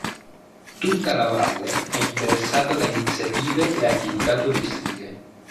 Tutta la valle è interessata da iniziative ed attività turistiche.